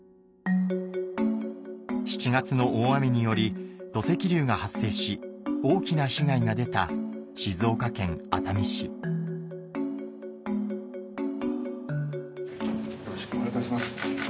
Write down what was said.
７月の大雨により土石流が発生し大きな被害が出た静岡県熱海市よろしくお願いいたします。